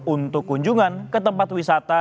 untuk kunjungan ke tempat wisata